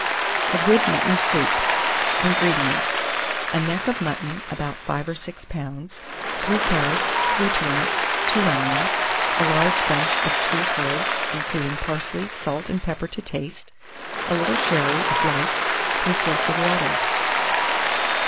A GOOD MUTTON SOUP. 175. INGREDIENTS. A neck of mutton about 5 or 6 lbs., 3 carrots, 3 turnips, 2 onions, a large bunch of sweet herbs, including parsley; salt and pepper to taste; a little sherry, if liked; 3 quarts of water.